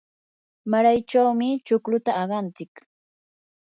maraychawmi chukluta aqantsik.